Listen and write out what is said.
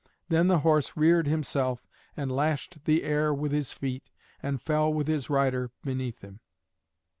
Then the horse reared himself and lashed the air with his feet, and fell with his rider beneath him.